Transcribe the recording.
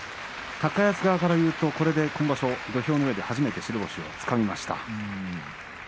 高安側からいうと今場所、土俵の上で相撲を取って初めて白星をつかみました。